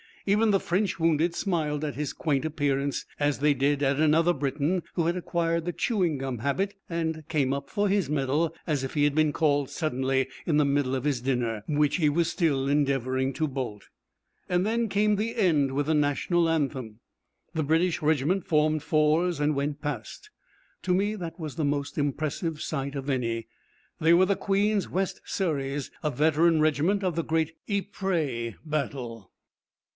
Even the French wounded smiled at his quaint appearance, as they did at another Briton who had acquired the chewing gum habit, and came up for his medal as if he had been called suddenly in the middle of his dinner, which he was still endeavouring to bolt. Then came the end, with the National Anthem. The British regiment formed fours and went past. To me that was the most impressive sight of any. They were the Queen's West Surreys, a veteran regiment of the great Ypres battle.